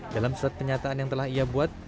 dalam surat pernyataan yang telah ia buat